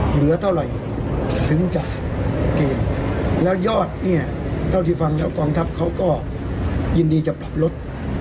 เหลือเท่าไหร่ถึงจะเกณฑ์แล้วยอดเนี่ยเท่าที่ฟังแล้วกองทัพเขาก็ยินดีจะปรับลด